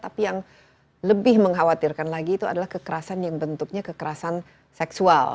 tapi yang lebih mengkhawatirkan lagi itu adalah kekerasan yang bentuknya kekerasan seksual